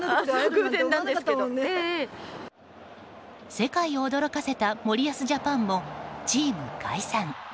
世界を驚かせた森保ジャパンもチーム解散。